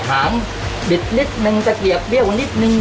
ถามบิดนิดนึงตะเกียบเบี้ยวนิดนึง